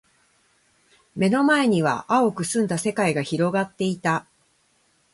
目の前には蒼く澄んだ世界が広がっていた。